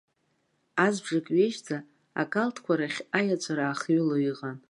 Азыбжак ҩежьӡа, акалҭқәа рахь аиаҵәара аахыҩло иҟан.